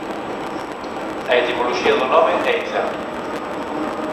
A etimoloxía do nome é incerto.